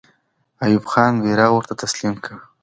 ایوب خان بیرغ ورته تسلیم کړ.